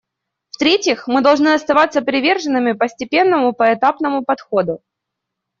В-третьих, мы должны оставаться приверженными постепенному, поэтапному подходу.